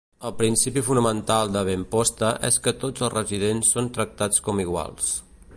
El principi fonamental de Benposta és que tots els residents són tractats com iguals.